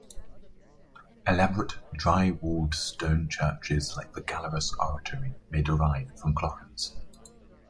Elaborate dry walled stone churches like the Gallarus Oratory may derive from Clochans.